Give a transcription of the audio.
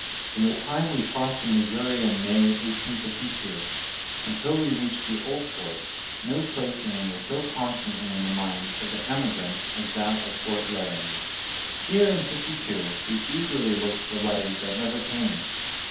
From the time we crossed the Missouri in May, 1852, until we reached the old fort, no place name was so constantly in the minds of the emigrants as that of Fort Laramie. Here, in '52, we eagerly looked for letters that never came.